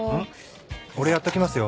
俺やっときますよ。